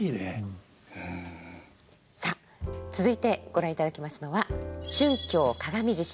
さあ続いてご覧いただきますのは「春興鏡獅子」。